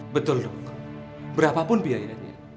betul dok berapapun biayanya